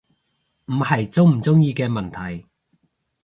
唔係鍾唔鍾意嘅問題